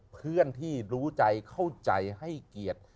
เพื่อนที่รู้ใจเข้าใจให้เกียรติ